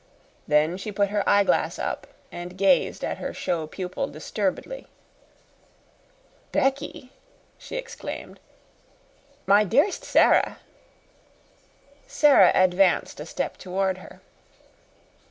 Then she put her eyeglass up, and gazed at her show pupil disturbedly. "Becky!" she exclaimed. "My dearest Sara!" Sara advanced a step toward her.